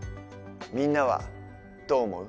みんなはどう思う？